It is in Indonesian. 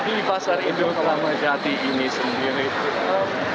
di pasar indokrama jati ini sendiri